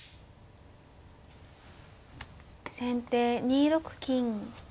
先手２六金。